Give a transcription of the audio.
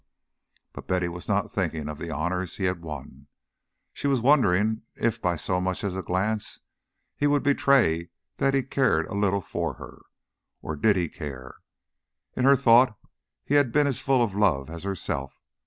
But Betty was not thinking of the honours he had won. She was wondering if by so much as a glance he would betray that he cared a little for her. Or did he care? In her thought he had been as full of love as herself.